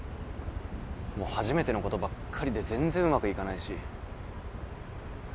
もう初めてのことばっかりで全然うまくいかないし。